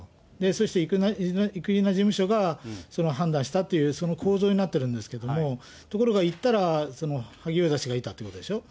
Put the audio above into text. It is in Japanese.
そして生稲事務所がそれを判断したという、構造になってるんですけれども、ところがいったら、萩生田氏がいたということでしょ。